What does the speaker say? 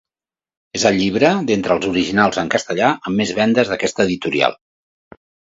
És el llibre d'entre els originals en castellà amb més vendes d'aquesta editorial.